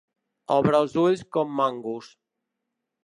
Obre els ulls com mangos.